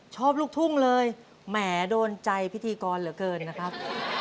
ลูกทุ่งเลยแหมโดนใจพิธีกรเหลือเกินนะครับ